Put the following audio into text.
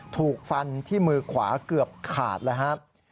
ถูกฟันที่มือขวาเกือบขาดนะฮะ